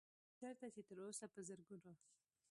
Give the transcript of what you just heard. چرته چې تر اوسه پۀ زرګونو